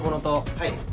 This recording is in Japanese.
はい。